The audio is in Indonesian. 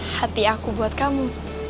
hati aku buat kamu